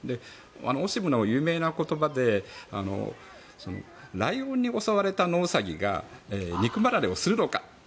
オシムの有名な言葉でライオンに襲われた野ウサギが肉離れをするのか。